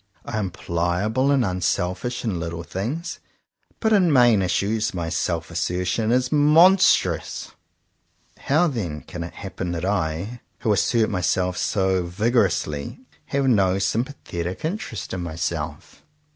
I am pliable and unselfish in little things, but in main issues my self assertion is mon strous. How then can it happen that I, who assert myself so vigorously, have no sympa thetic interest in myself.''